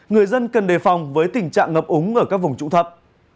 người dân cần đề phòng với tình trạng ngập úng ở các vùng trụ thập